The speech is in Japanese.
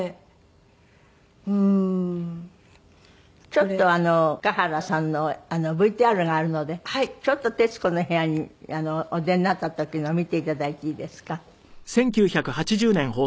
ちょっと賀原さんのＶＴＲがあるのでちょっと『徹子の部屋』にお出になった時の見て頂いていいですか？